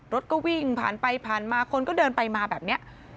รถก็วิ่งผ่านไปผ่านมาคนก็เดินไปมาแบบนี้